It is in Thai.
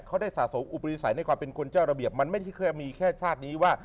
เขาได้สะสมอุปริสัยในความเป็นคนเจ้าระเบียบมันไม่ใช่แค่มีแค่ชาตินี้ว่า